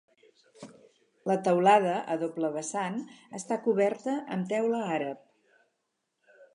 La teulada, a doble vessant, està coberta amb teula àrab.